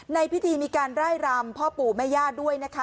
ในพิธีมีการไล่รำพ่อปู่แม่ย่าด้วยนะคะ